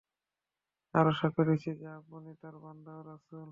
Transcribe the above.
আরো সাক্ষ্য দিচ্ছি যে, আপনি তার বান্দা ও রাসূল।